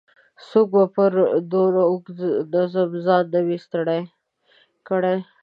څوک به پر دونه اوږده نظم ځان نه وای ستړی کړی.